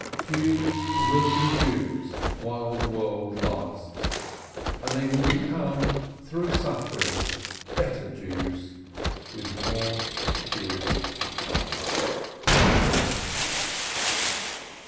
Jews will be Jews while the world lasts, and they will become, through suffering, better Jews with more Jewish hearts.